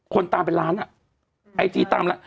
คนตามเป็นล้านอ่ะไอจีตามล้าน